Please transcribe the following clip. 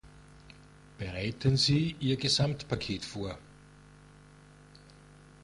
Bereiten Sie Ihr Gesamtpaket vor.